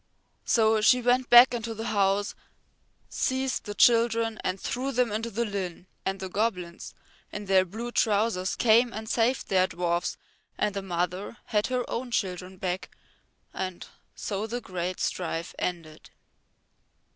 So she went back into the house, seized the children and threw them into the Llyn, and the goblins in their blue trousers came and saved their dwarfs and the mother had her own children back and so the great strife ended.